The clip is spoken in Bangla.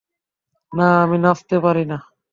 না, আমি নাচতে পারি না।